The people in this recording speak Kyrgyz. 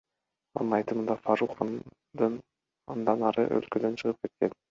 Анын айтымында, Фарук андан ары өлкөдөн чыгып кетет.